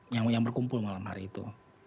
yang berkumpul malam hari itu